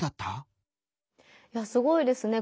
いやすごいですね。